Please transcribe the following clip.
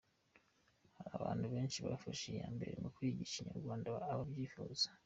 Hari abantu benshi bafashe iya mbere mu kwigisha Ikinyarwanda ababyifuza.